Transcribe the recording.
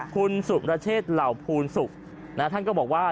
คุณสุรเชษเหล่าภูลศุกร์ท่านก็บอกว่า